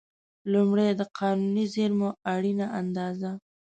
لومړی: د قانوني زېرمو اړینه اندازه.